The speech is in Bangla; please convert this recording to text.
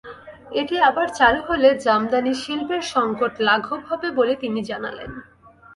এটি আবার চালু হলে জামদানিশিল্পের সংকট লাঘব হবে বলে তিনি জানালেন।